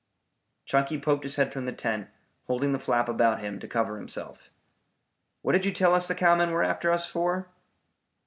Chunky poked his head from the tent, holding the flap about him to cover himself. "What did you tell us the cowmen were after us for?"